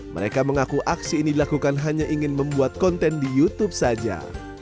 mereka mengaku aksi ini dilakukan hanya ingin membuat konten di youtube saja